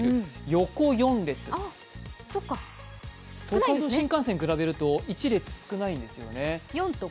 横４列、東海道新幹線に比べると１列少ないんですよね。